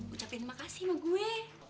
ucapin terima kasih sama gue